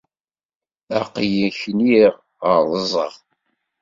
Aql-i kniɣ, rẓeɣ.